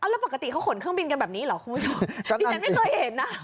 แล้วปกติเขาขนเครื่องบินกันแบบนี้หรอดิฉันไม่เคยเห็น